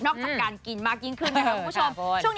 จากการกินมากยิ่งขึ้นนะครับคุณผู้ชม